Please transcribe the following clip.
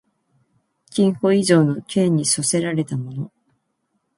禁錮以上の刑に処せられた者